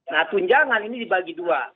nah tunjangan ini dibagi dua